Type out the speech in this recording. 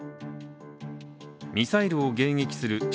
ミサイルを迎撃する地